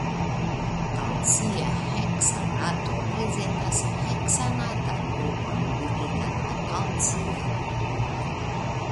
Kalcia heksanato prezentas heksanatan grupon ligitan al kalcia grupo.